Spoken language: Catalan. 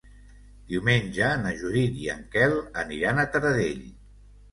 Diumenge na Judit i en Quel aniran a Taradell.